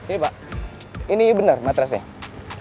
ini pak ini bener matresnya